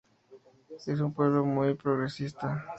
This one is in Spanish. Es un pueblo muy progresista.